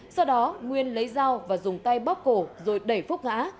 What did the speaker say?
sau đó nguyên lấy dao và dùng tay bóp cổ rồi đẩy phúc ngã